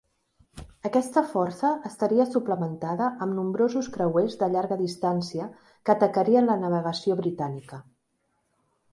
Aquesta força estaria suplementada amb nombrosos creuers de llarga distància que atacarien la navegació britànica.